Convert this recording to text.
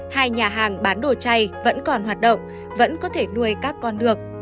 hai nhà hàng bán đồ chay vẫn còn hoạt động vẫn có thể nuôi các con được